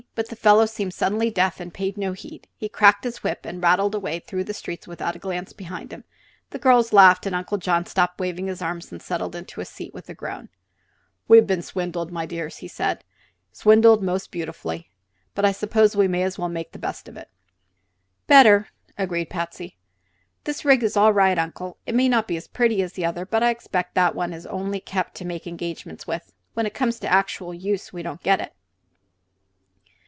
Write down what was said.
But the fellow seemed suddenly deaf, and paid no heed. He cracked his whip and rattled away through the streets without a glance behind him. The girls laughed and Uncle John stopped waving his arms and settled into his seat with a groan. "We've been swindled, my dears," he said; "swindled most beautifully. But I suppose we may as well make the best of it." "Better," agreed Patsy. "This rig is all right, Uncle. It may not be as pretty as the other, but I expect that one is only kept to make engagements with. When it comes to actual use, we don't get it."